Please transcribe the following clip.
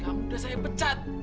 kamu udah saya pecat